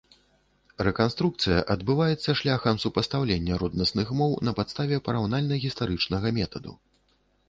Рэканструкцыя адбываецца шляхам супастаўлення роднасных моў на падставе параўнальна-гістарычнага метаду.